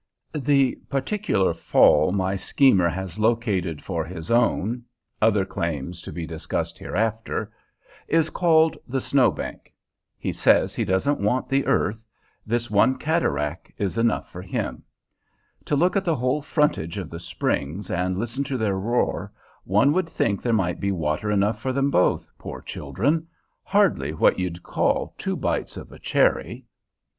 The particular fall my schemer has located for his own other claims to be discussed hereafter is called the "Snow Bank." He says he doesn't want the earth: this one cataract is enough for him. To look at the whole frontage of the springs and listen to their roar, one would think there might be water enough for them both, poor children! Hardly what you'd call two bites of a cherry!